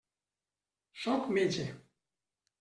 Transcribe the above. Sóc metge.